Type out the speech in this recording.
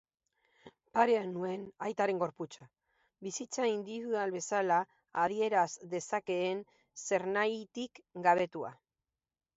Parean nuen aitaren gorputza, bizitza indibidual bezala adieraz dezakeen zernahitik gabetua.